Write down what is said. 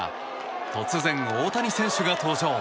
突然、大谷選手が登場。